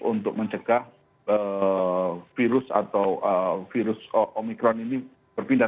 untuk mencegah virus atau virus omikron ini berpindah